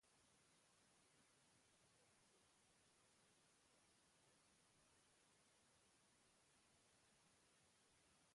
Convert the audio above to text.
Igande honetan herrialde hartako bitxikeriak ezagutzeko parada izango dute entzuleek.